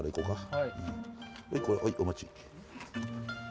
はいお待ち。